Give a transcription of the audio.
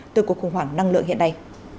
từ cuộc khủng hoảng năng lượng hiện nay